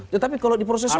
tetapi kalau diproses hukum